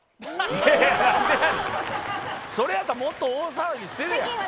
それやったらもっと大騒ぎしてるやん。